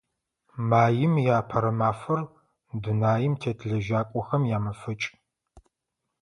Маим и Апэрэ мафэр – дунаим тет лэжьакӀохэм ямэфэкӀ.